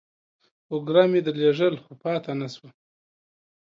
اوگره مې درلېږل ، خو پاته نسوه.